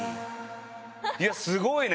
いやすごいね。